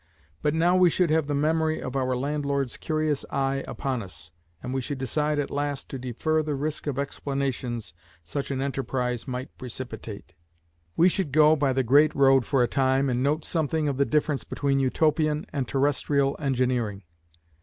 But now we should have the memory of our landlord's curious eye upon us, and we should decide at last to defer the risk of explanations such an enterprise might precipitate. We should go by the great road for a time, and note something of the difference between Utopian and terrestrial engineering.